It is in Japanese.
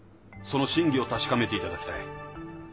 その真偽を確かめていただきたい。